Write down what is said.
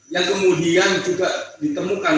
yang kemudian juga ditemukan